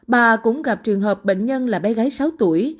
bà cũng gặp trường hợp bệnh nhân là bé gái sáu tuổi